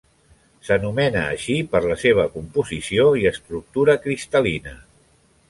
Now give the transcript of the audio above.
S'anomena així per la seva composició i estructura cristal·lina.